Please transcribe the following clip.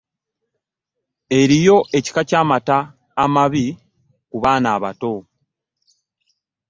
Eriyo ekika kya mata amabi ku baana abato.